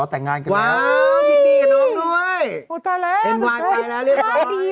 แต่งงานกันแล้วว้าวพี่ตีกับน้องด้วยไปแล้วเรียบร้อยดี